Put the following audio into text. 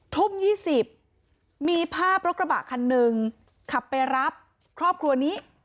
ทุ่ม๒๐มีภาพรถกระบะคันหนึ่งขับไปรับครอบครัวนี้